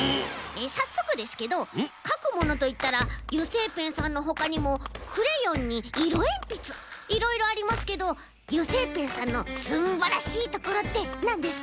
さっそくですけどかくものといったら油性ペンさんのほかにもクレヨンにいろえんぴついろいろありますけど油性ペンさんのすんばらしいところってなんですか？